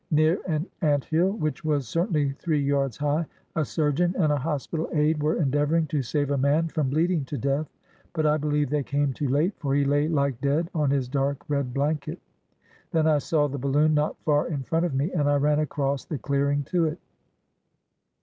Near an ant hill, which was certainly three yards high, a surgeon and a hospital aid were endeavoring to save a man from bleeding to death; but I believe they came too late, for he lay like dead on his dark red blanket. Then I saw^ the balloon not far in front of me and I ran across the clearing to it.